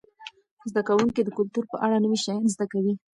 زده کوونکي د کلتور په اړه نوي شیان زده کوي.